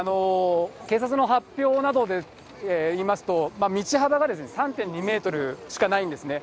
警察の発表などで言いますと、道幅が３．２メートルしかないんですね。